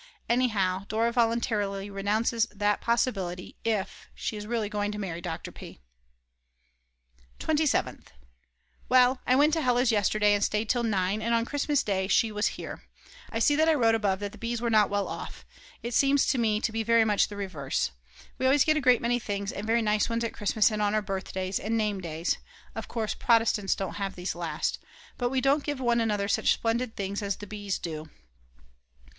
Anyhow, Dora voluntarily renounces that possibility, if she is really going to marry Dr. P. 27th. Well, I went to Hella's yesterday and stayed till 9, and on Christmas Day she was here. I see that I wrote above that the Bs. were not well off; it seems to me to be very much the reverse. We always get a great many things and very nice ones at Christmas and on our birthdays and name days (of course Protestants don't have these last), but we don't give one another such splendid things as the Bs. do.